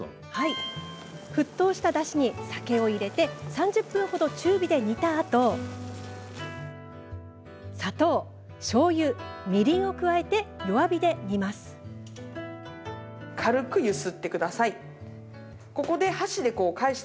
沸騰しただしに酒を入れて３０分ほど中火で煮たあと砂糖、しょうゆ、みりんを加えて弱火で煮ます。